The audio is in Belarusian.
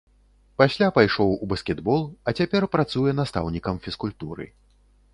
Пасля пайшоў у баскетбол, а цяпер працуе настаўнікам фізкультуры.